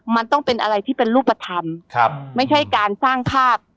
มันต้องเป็นอะไรที่เป็นรูปธรรมไม่ใช่การสร้างภาพ